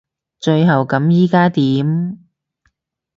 最後咁依家點？